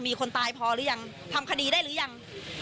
มีคนตายพอหรือยังทำคดีได้หรือยัง